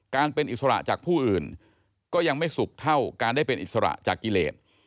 การเป็นอิสระจากผู้อื่นก็ยังไม่สุขเท่าการได้เป็นอิสระจากกิเลส